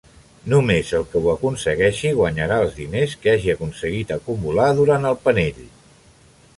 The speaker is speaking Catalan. Només el que ho aconsegueixi guanyarà els diners que hagi aconseguit acumular durant el panell.